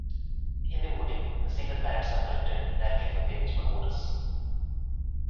In the voting, the secret ballots are collected directly from eligible voters.